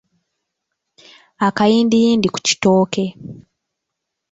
Akayindiyindi ku kitooke.